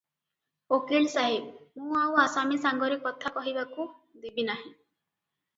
ଓକିଲ ସାହେବ, ମୁଁ ଆଉ ଆସାମୀ ସାଙ୍ଗରେ କଥା କହିବାକୁ ଦେବି ନାହିଁ ।